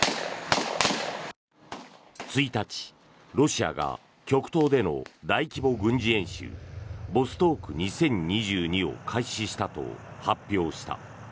１日、ロシアが極東での大規模軍事演習ボストーク２０２２を開始したと発表した。